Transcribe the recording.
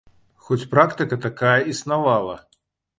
Хоць практыка такая існавала.